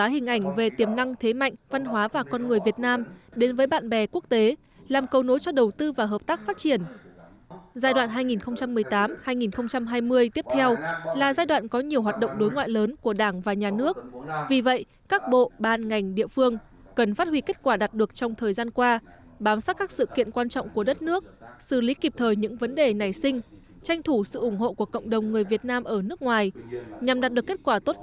hội nghị sơ kết chiến lược thông tin đối ngoại giai đoạn hai nghìn một mươi ba hai nghìn hai mươi